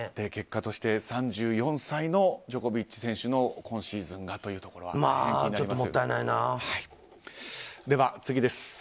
結果として３４歳のジョコビッチ選手の今シーズンがというところ大変気になります。